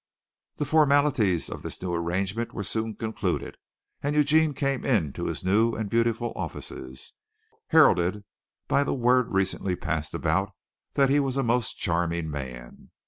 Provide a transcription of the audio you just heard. The formalities of this new arrangement were soon concluded, and Eugene came into his new and beautiful offices, heralded by the word recently passed about that he was a most charming man.